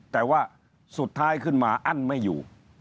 แต่ว่าสุดท้ายขึ้นมาอั้นไม่อยู่